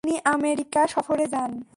তিনি আমেরিকা সফরে যান।